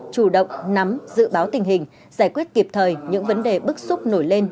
chủ động nắm dự báo tình hình giải quyết kịp thời những vấn đề bức xúc nổi lên